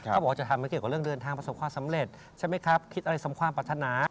เขาบอกว่าจะทำให้เกี่ยวกับเรื่องเดินทางประสบความสำเร็จใช่ไหมครับคิดอะไรสมความปรัฐนา